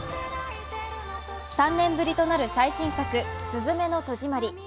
３年ぶりとなる最新作「すずめの戸締まり」。